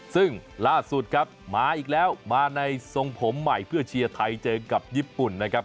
ซึ่งล่าสุดครับมาอีกแล้วมาในทรงผมใหม่เพื่อเชียร์ไทยเจอกับญี่ปุ่นนะครับ